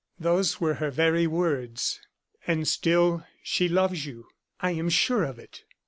"Those were her very words." "And still she loves you?" "I am sure of it."